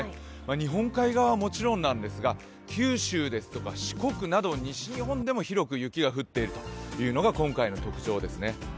日本海側はもちろんなんですが九州ですとか四国など西日本でも広く雪が降っているというのが今回の特徴ですね。